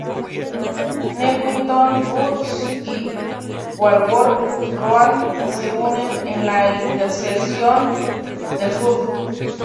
Newington Butts y Walworth Road se unen a la intersección del sur.